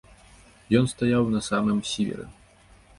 Ён стаяў на самым сіверы.